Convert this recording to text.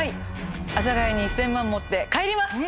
阿佐ヶ谷に１０００万持って帰ります！